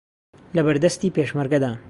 لەبەردەستی پێشمەرگەدان